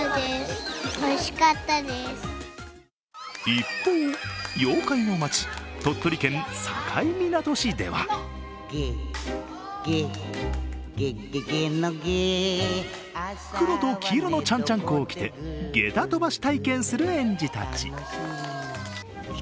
一方、妖怪の町、鳥取県境港市では黒と黄色のちゃんちゃんこを着てげた飛ばし体験する園児たち。